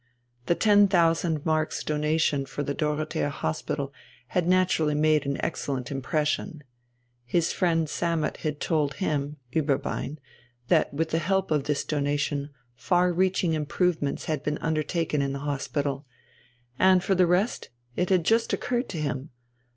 The ten thousand marks donation for the Dorothea Hospital had naturally made an excellent impression. His friend Sammet had told him (Ueberbein) that with the help of this donation far reaching improvements had been undertaken in the Hospital. And for the rest, it had just occurred to him!